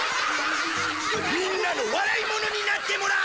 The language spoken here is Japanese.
みんなの笑い者になってもらう！